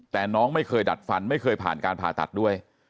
แต่น้องไม่เคยดัดฟันไม่เคยผ่านการผ่าตัดด้วย